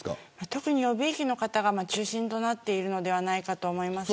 特に予備役の方が中心になっているのではないかと思います。